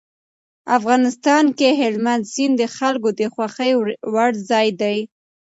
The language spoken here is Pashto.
افغانستان کې هلمند سیند د خلکو د خوښې وړ ځای دی.